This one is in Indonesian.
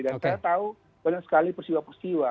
dan saya tahu banyak sekali persiwa persiwa